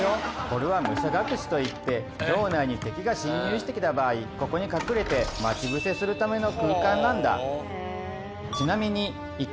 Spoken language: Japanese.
これは「武者隠し」といって城内に敵が侵入してきた場合ここに隠れて待ち伏せするための空間なんだ。